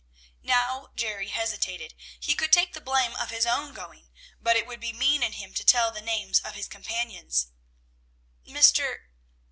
Now Jerry hesitated: he could take the blame of his own going, but it would be mean in him to tell the names of his companions. "Mr.